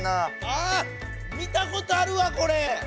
あ見たことあるわこれ！